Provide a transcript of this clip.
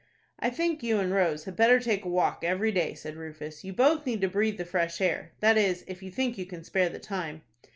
"I think you and Rose had better take a walk every day," said Rufus. "You both need to breathe the fresh air. That is, if you think you can spare the time."